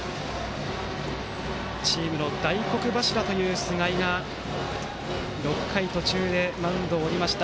チームの大黒柱という菅井が、６回途中でマウンドを降りました。